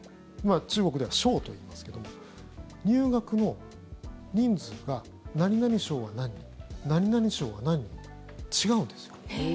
中国では省といいますけれども入学の人数が何々省は何人、何々省は何人と違うんですよ。